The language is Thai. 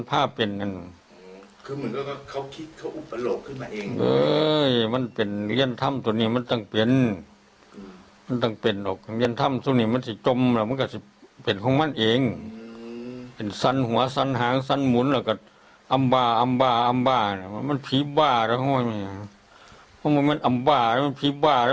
โปรดติดตามตอนต่อไป